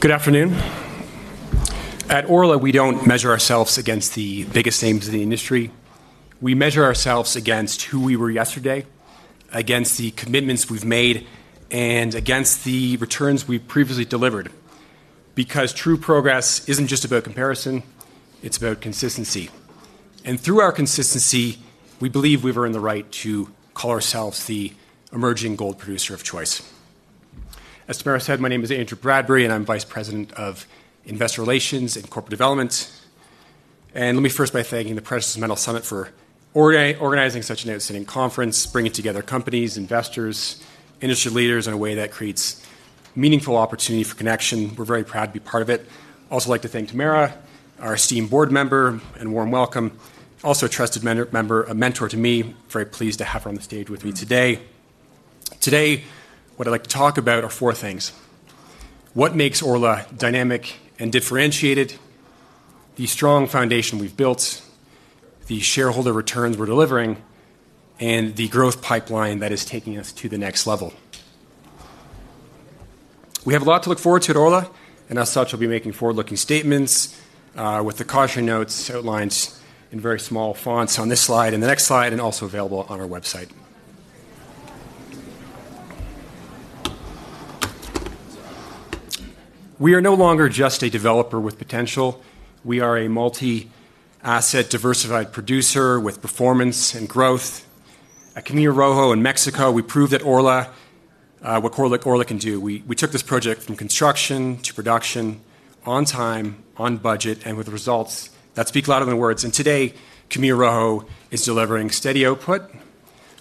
Good afternoon. At Orla, we don't measure ourselves against the biggest names in the industry. We measure ourselves against who we were yesterday, against the commitments we've made, and against the returns we've previously delivered. True progress isn't just about comparison, it's about consistency. Through our consistency, we believe we are in the right to call ourselves the emerging gold producer of choice. As Marc said, my name is Andrew Bradbury, and I'm Vice President of Investor Relations and Corporate Development. Let me first thank the Presidents of the Mental Summit for organizing such an outstanding conference, bringing together companies, investors, and industry leaders in a way that creates meaningful opportunity for connection. We're very proud to be part of it. I'd also like to thank Tamara, our esteemed board member, and give a warm welcome. Also, a trusted member, a mentor to me. Very pleased to have her on the stage with me today. Today, what I'd like to talk about are four things: what makes Orla dynamic and differentiated, the strong foundation we've built, the shareholder returns we're delivering, and the growth pipeline that is taking us to the next level. We have a lot to look forward to at Orla, and as such, we'll be making forward-looking statements, with the caution notes outlined in very small fonts on this slide and the next slide, and also available on our website. We are no longer just a developer with potential. We are a multi-asset diversified producer with performance and growth. At Camino Rojo in Mexico, we proved that Orla would correlate what Orla can do. We took this project from construction to production, on time, on budget, and with results that speak louder than words. Today, Camino Rojo is delivering steady output,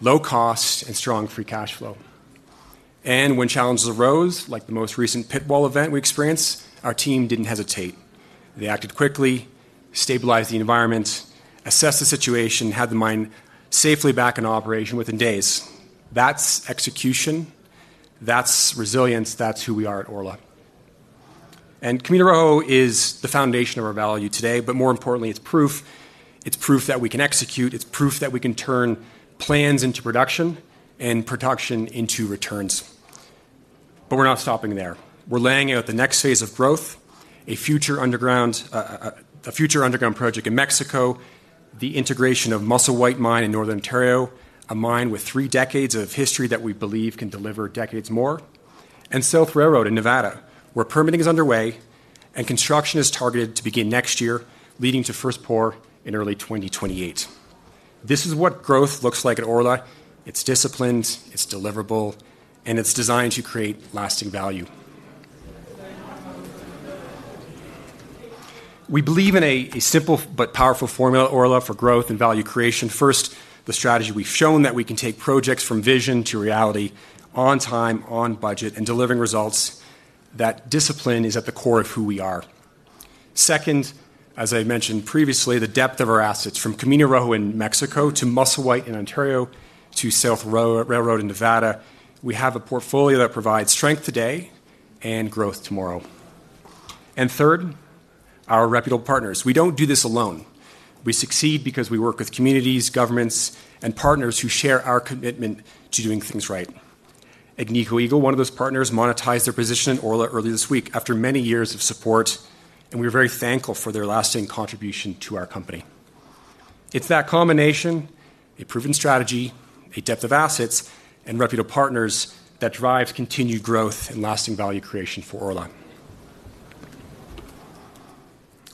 low cost, and strong free cash flow. When challenges arose, like the most recent pitfall event we experienced, our team didn't hesitate. They acted quickly, stabilized the environment, assessed the situation, and had the mine safely back in operation within days. That's execution. That's resilience. That's who we are at Orla. Camino Rojo is the foundation of our value today, but more importantly, it's proof. It's proof that we can execute. It's proof that we can turn plans into production and production into returns. We're not stopping there. We're laying out the next phase of growth: a future underground project in Mexico, the integration of Musselwhite Mine in Northern Ontario, a mine with three decades of history that we believe can deliver decades more, and South Railroad in Nevada, where permitting is underway and construction is targeted to begin next year, leading to first pour in early 2028. This is what growth looks like at Orla. It's disciplined, it's deliverable, and it's designed to create lasting value. We believe in a simple but powerful formula, Orla, for growth and value creation. First, the strategy—we've shown that we can take projects from vision to reality, on time, on budget, and delivering results. That discipline is at the core of who we are. Second, as I mentioned previously, the depth of our assets from Camino Rojo in Mexico to Musselwhite in Northern Ontario to South Railroad in Nevada. We have a portfolio that provides strength today and growth tomorrow. Third, our reputable partners. We don't do this alone. We succeed because we work with communities, governments, and partners who share our commitment to doing things right. Agnico Eagle, one of those partners, monetized their position at Orla earlier this week after many years of support, and we are very thankful for their lasting contribution to our company. It's that combination, a proven strategy, a depth of assets, and reputable partners that drive continued growth and lasting value creation for Orla.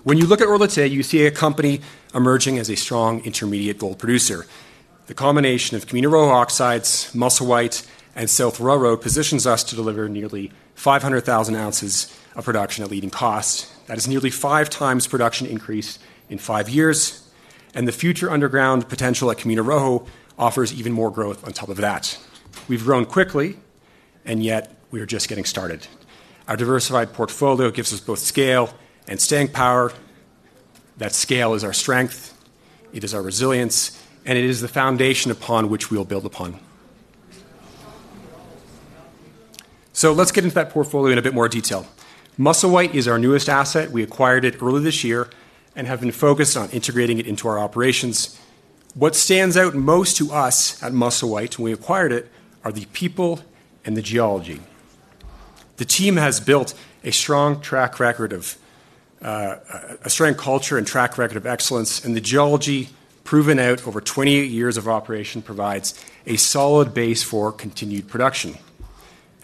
When you look at Orla today, you see a company emerging as a strong intermediate gold producer. The combination of Camino Rojo Oxide Gold Mine, Musselwhite Mine, and South Railroad Project positions us to deliver nearly 500,000 ounces of production at a leading cost. That is nearly five times production increase in five years. The future underground potential at Camino Rojo offers even more growth on top of that. We've grown quickly, and yet we are just getting started. Our diversified portfolio gives us both scale and staying power. That scale is our strength. It is our resilience, and it is the foundation upon which we will build. Let's get into that portfolio in a bit more detail. Musselwhite Mine is our newest asset. We acquired it early this year and have been focused on integrating it into our operations. What stands out most to us at Musselwhite when we acquired it are the people and the geology. The team has built a strong track record of a strong culture and track record of excellence, and the geology proven out over 28 years of operation provides a solid base for continued production.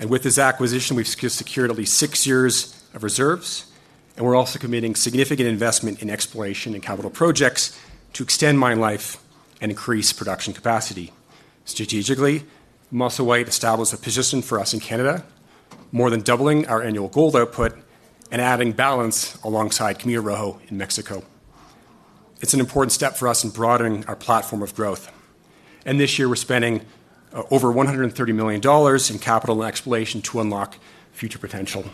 With this acquisition, we've secured at least six years of reserves, and we're also committing significant investment in exploration and capital projects to extend mine life and increase production capacity. Strategically, Musselwhite established a position for us in Canada, more than doubling our annual gold output and adding balance alongside Camino Rojo in Mexico. It's an important step for us in broadening our platform of growth. This year, we're spending over $130 million in capital and exploration to unlock future potential.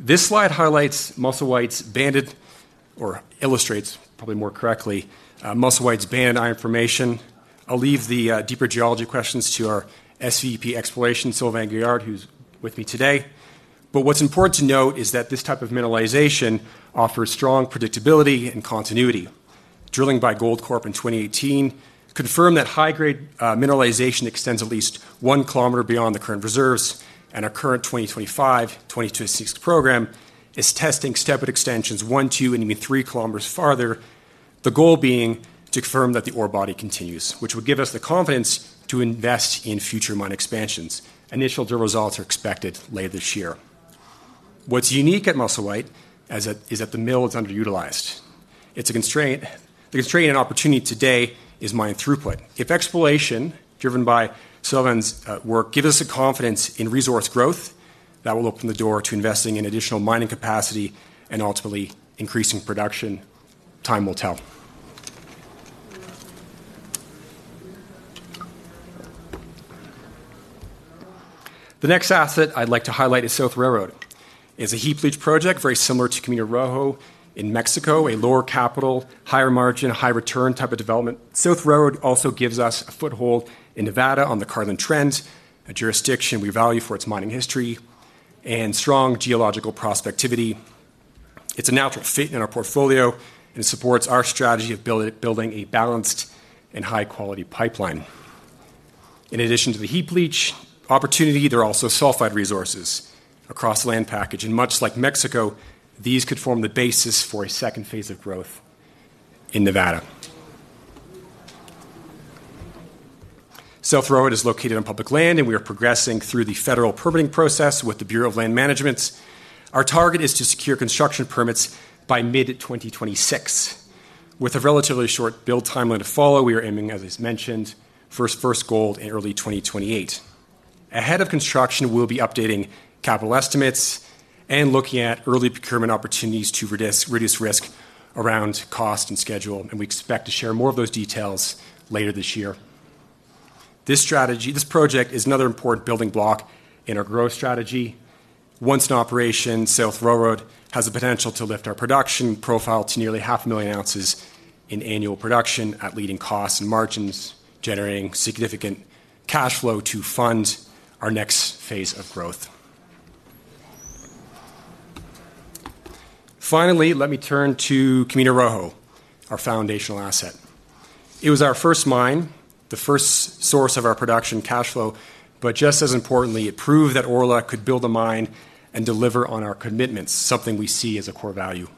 This slide highlights Musselwhite's banded or illustrates probably more correctly Musselwhite's banded iron formation. I'll leave the deeper geology questions to our SVP Exploration, Sylvain Guerard, who's with me today. What's important to note is that this type of mineralization offers strong predictability and continuity. Drilling by Goldcorp in 2018 confirmed that high-grade mineralization extends at least one kilometer beyond the current reserves, and our current 2025-2026 program is testing step-out extensions one, two, and even three kilometers farther, the goal being to confirm that the ore body continues, which would give us the confidence to invest in future mine expansions. Initial drill results are expected later this year. What's unique at Musselwhite is that the mill is underutilized. It's a constraint. The constraint and opportunity today is mine throughput. If exploration, driven by Sylvain's work, gives us the confidence in resource growth, that will open the door to investing in additional mining capacity and ultimately increasing production. Time will tell. The next asset I'd like to highlight is South Railroad. It's a heap leach project, very similar to Camino Rojo in Mexico, a lower capital, higher margin, high return type of development. South Railroad also gives us a foothold in Nevada on the Carlin Trends, a jurisdiction we value for its mining history and strong geological prospectivity. It's a natural fit in our portfolio and supports our strategy of building a balanced and high-quality pipeline. In addition to the heap leach opportunity, there are also sulfide resources across the land package, and much like Mexico, these could form the basis for a second phase of growth in Nevada. South Railroad is located on public land, and we are progressing through the federal permitting process with the Bureau of Land Management. Our target is to secure construction permits by mid-2026. With a relatively short build timeline to follow, we are aiming, as I mentioned, first gold in early 2028. Ahead of construction, we'll be updating capital estimates and looking at early procurement opportunities to reduce risk around cost and schedule, and we expect to share more of those details later this year. This project is another important building block in our growth strategy. Once in operation, South Railroad has the potential to lift our production profile to nearly half a million ounces in annual production at leading costs and margins, generating significant cash flow to fund our next phase of growth. Finally, let me turn to Camino Rojo, our foundational asset. It was our first mine, the first source of our production cash flow, but just as importantly, it proved that Orla could build a mine and deliver on our commitments, something we see as a core value.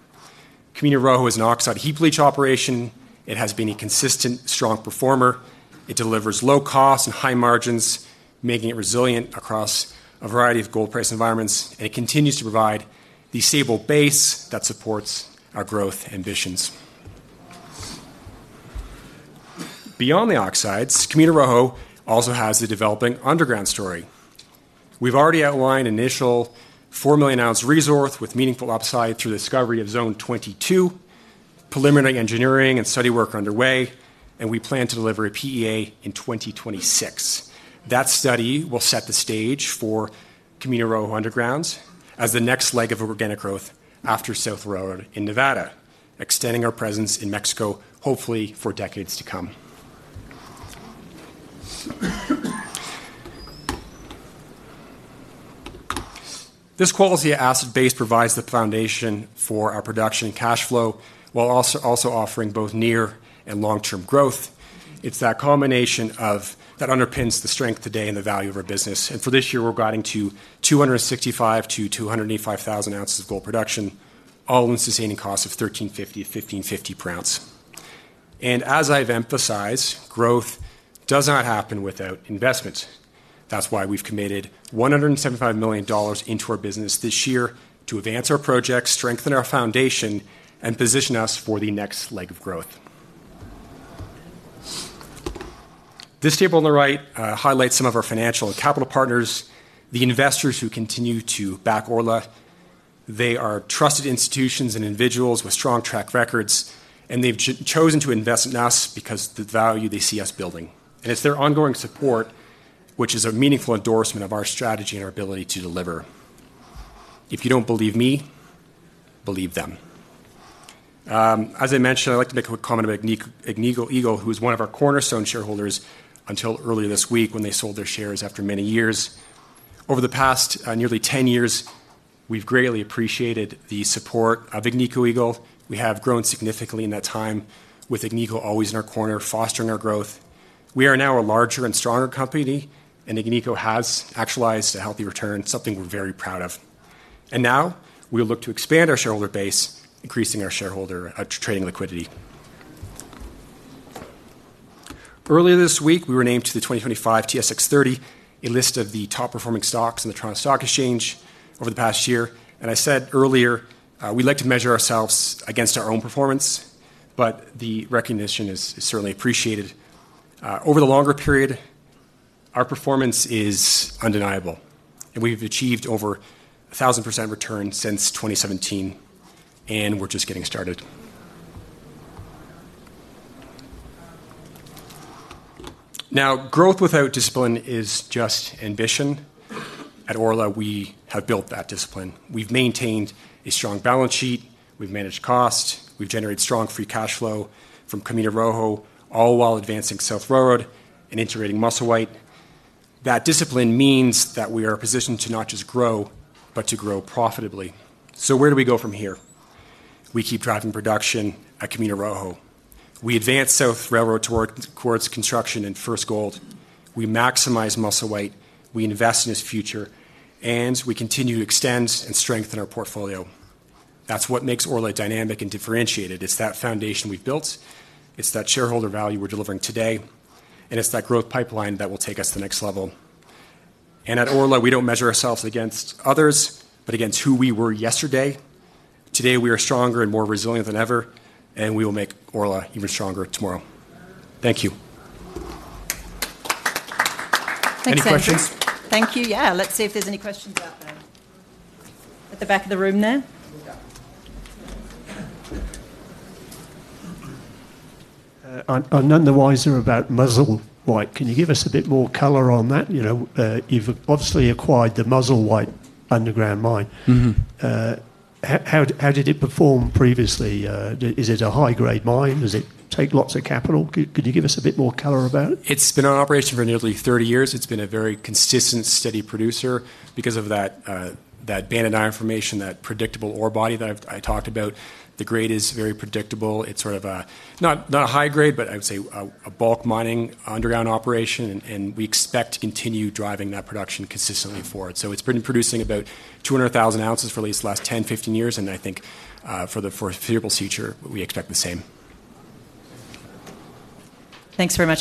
Camino Rojo is an oxide heap leach operation. It has been a consistent, strong performer. It delivers low costs and high margins, making it resilient across a variety of gold price environments, and it continues to provide the stable base that supports our growth ambitions. Beyond the oxides, Camino Rojo also has a developing underground story. We've already outlined an initial 4 million ounce resource with meaningful upside through the discovery of zone 22. Preliminary engineering and study work are underway, and we plan to deliver a PEA in 2026. That study will set the stage for Camino Rojo underground as the next leg of organic growth after South Railroad in Nevada, extending our presence in Mexico, hopefully for decades to come. This quality of asset base provides the foundation for our production and cash flow, while also offering both near and long-term growth. It's that combination that underpins the strength today and the value of our business. For this year, we're guiding to 265,000 to 285,000 ounces of gold production, all-in sustaining costs of $1,350 to $1,550 per ounce. As I've emphasized, growth does not happen without investment. That's why we've committed $175 million into our business this year to advance our projects, strengthen our foundation, and position us for the next leg of growth. This table on the right highlights some of our financial and capital partners, the investors who continue to back Orla. They are trusted institutions and individuals with strong track records, and they've chosen to invest in us because of the value they see us building. It's their ongoing support, which is a meaningful endorsement of our strategy and our ability to deliver. If you don't believe me, believe them. As I mentioned, I'd like to make a quick comment about Agnico Eagle, who was one of our cornerstone shareholders until earlier this week when they sold their shares after many years. Over the past nearly 10 years, we've greatly appreciated the support of Agnico Eagle. We have grown significantly in that time, with Agnico always in our corner, fostering our growth. We are now a larger and stronger company, and Agnico has actualized a healthy return, something we're very proud of. Now we look to expand our shareholder base, increasing our shareholder trading liquidity. Earlier this week, we were named to the 2025 TSX 30, a list of the top performing stocks in the Toronto Stock Exchange over the past year. I said earlier, we like to measure ourselves against our own performance, but the recognition is certainly appreciated. Over the longer period, our performance is undeniable, and we've achieved over 1,000% return since 2017, and we're just getting started. Growth without discipline is just ambition. At Orla, we have built that discipline. We've maintained a strong balance sheet. We've managed costs. We've generated strong free cash flow from Camino Rojo, all while advancing South Railroad and integrating Musselwhite. That discipline means that we are positioned to not just grow, but to grow profitably. Where do we go from here? We keep driving production at Camino Rojo. We advance South Railroad towards construction and first gold. We maximize Musselwhite. We invest in its future, and we continue to extend and strengthen our portfolio. That's what makes Orla dynamic and differentiated. It's that foundation we've built. It's that shareholder value we're delivering today. It's that growth pipeline that will take us to the next level. At Orla, we don't measure ourselves against others, but against who we were yesterday. Today, we are stronger and more resilient than ever, and we will make Orla even stronger tomorrow. Thank you. Thank you. Any questions? Thank you. Let's see if there's any questions up at the back of the room there. I'm not any the wiser about Musselwhite. Can you give us a bit more color on that? You know, you've obviously acquired the Musselwhite Mine underground mine. How did it perform previously? Is it a high-grade mine? Does it take lots of capital? Could you give us a bit more color about it? It's been in operation for nearly 30 years. It's been a very consistent, steady producer because of that banded iron formation, that predictable ore body that I talked about. The grade is very predictable. It's sort of not a high grade, but I would say a bulk mining underground operation, and we expect to continue driving that production consistently forward. It's been producing about 200,000 ounces for at least the last 10, 15 years, and I think for the foreseeable future, we expect the same. Thanks very much.